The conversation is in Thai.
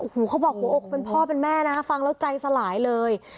โอ้โหเขาบอกหัวอกเป็นพ่อเป็นแม่นะฟังแล้วใจสลายเลย